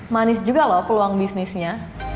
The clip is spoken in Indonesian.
manis juga loh peluang bisnisnya